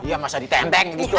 iya masa ditempeng gitu